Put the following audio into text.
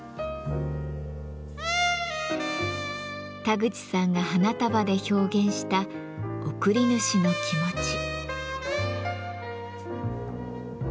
田口さんが花束で表現した贈り主の気持ち。